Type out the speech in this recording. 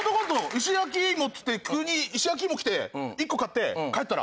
「石焼き芋」っつって急に石焼き芋来て１個買って帰ったら。